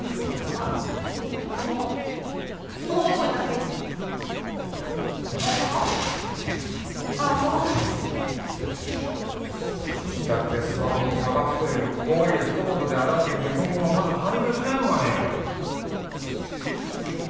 ああここか自宅でスマホを捜すという行為を一言で表す日本語はまだ誕生しないのかねえ